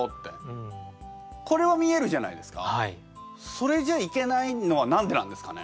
それじゃいけないのは何でなんですかね？